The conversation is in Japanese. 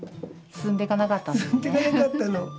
進んでいかなかったの。